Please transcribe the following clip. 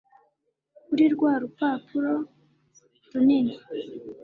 kuri rwa rupapuro runini